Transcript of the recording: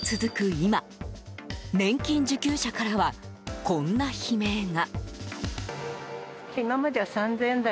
今年金受給者からはこんな悲鳴が。